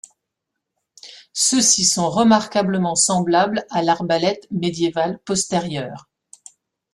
Ceux-ci sont remarquablement semblables à l'arbalète médiévale postérieure.